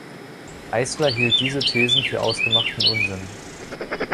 Eisler hielt diese Thesen für ausgemachten Unsinn.